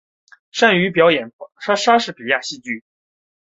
擅长表演莎士比亚戏剧。